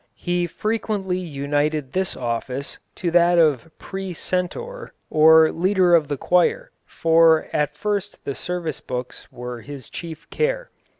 He frequently united this office to that of precentor or leader of the choir, for at first the service books were his chief care.